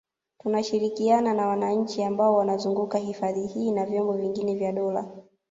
Tunashirikiana na wananchi ambao wanazunguka hifadhi hii na vyombo vingine vya dola